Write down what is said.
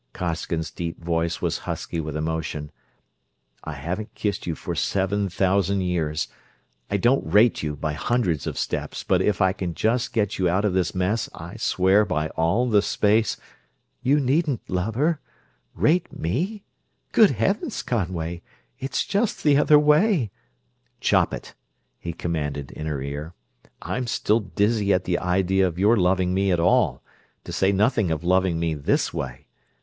Costigan's deep voice was husky with emotion. "I haven't kissed you for seven thousand years! I don't rate you, by hundreds of steps; but if I can just get you out of this mess, I swear by all the space...." "You needn't, lover. Rate me? Good Heavens, Conway? It's just the other way...." "Chop it!" he commanded in her ear. "I'm still dizzy at the idea of your loving me at all, to say nothing of loving me this way!